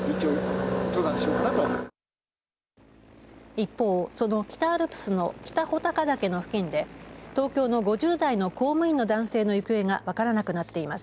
一方、その北アルプスの北穂高岳の付近で東京の５０代の公務員の男性の行方が分からなくなっています。